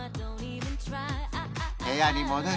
部屋に戻り